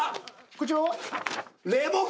こちらは？